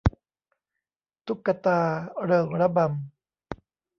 ตุ๊กตาเริงระบำ